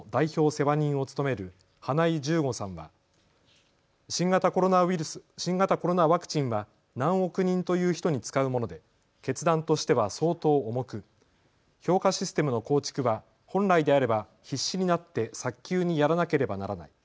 世話人を務める花井十伍さんは新型コロナワクチンは何億人という人に使うもので決断としては相当重く評価システムの構築は本来であれば必死になって早急にやらなければならない。